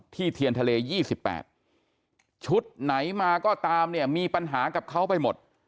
เทียนทะเล๒๘ชุดไหนมาก็ตามเนี่ยมีปัญหากับเขาไปหมด